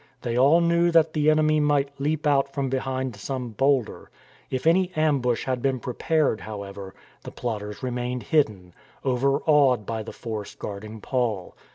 They all knew that the enemy might leap out from behind some boulder. If any ambush had been prepared, however, the plotters remained hidden, overawed by the force guarding Paul.